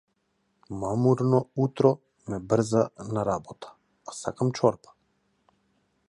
Мамурно утро ме брза на работа, а сакам чорба.